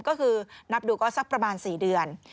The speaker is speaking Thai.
ก็คือนับดูก็สักประมาณ๔เดือน